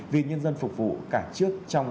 vì nhân dân phục vụ cả trước trong